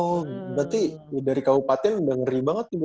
oh berarti dari kabupaten udah ngeri banget tuh bu